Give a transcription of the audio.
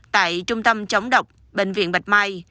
tại trung tâm chống độc bệnh viện bạch mai